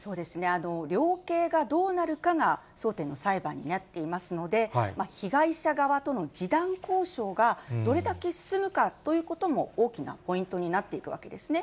量刑がどうなるかが争点の裁判になっていますので、被害者側との示談交渉がどれだけ進むかということも大きなポイントになっていくわけですね。